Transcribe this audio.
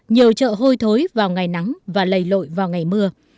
nhiều chợ hôi thối vào ngày nắng và lầy lội vào ngày mưa